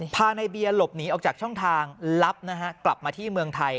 พาในเบียร์หลบหนีออกจากช่องทางลับนะฮะกลับมาที่เมืองไทย